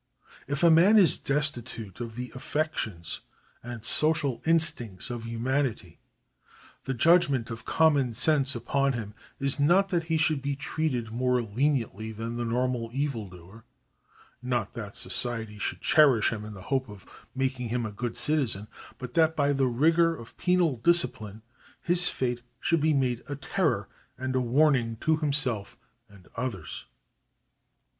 If a man is destitute of the affections and social instincts of humanity, the judgment of common sense upon 80 THE ADMINISTRATION OF JUSTICE [§ 30 him is not that he should be treated more leniently than the normal evildoer — not that society should cherish him in the hope of making him a good citizen — but that by the rigour of penal discipline his fate should be made a terror and a warning to himself and others.